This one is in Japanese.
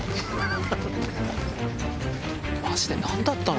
マジで何だったの？